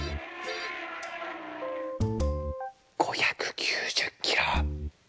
５９０キロ。